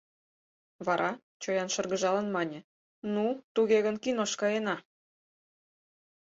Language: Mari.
Вара, чоян шыргыжалын, мане: — Ну, туге гын, кинош каена!